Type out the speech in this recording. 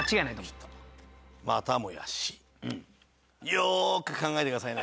よーく考えてくださいね。